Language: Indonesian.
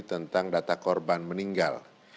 tentang data korban meninggal